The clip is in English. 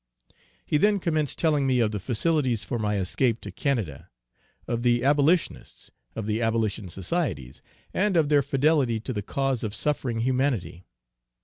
He then commenced telling me of the facilities for my escape to Canada; of the Abolitionists; of the Abolition Societies, and of their fidelity to the cause of suffering humanity.